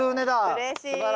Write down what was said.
うれしい。